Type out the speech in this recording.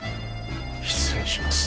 失礼します。